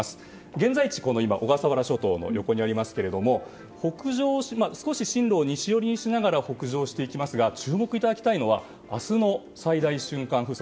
現在地は小笠原諸島の横にありますが少し進路を西寄りにして北上していきますが注目していただきたいのは明日の最大瞬間風速。